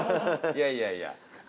いやいやいや。